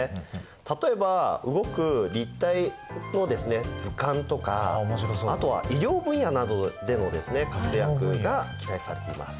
例えば動く立体の図鑑とかあとは医療分野などでの活躍が期待されています。